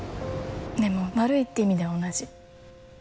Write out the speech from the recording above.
でも悪いって意味では同じ。